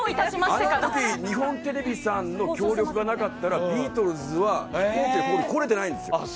あの時日本テレビさんの協力がなかったらビートルズは飛行機で来れていないんですよ。